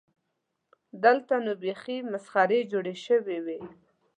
دلته نو بیخي مسخرې جوړې شوې.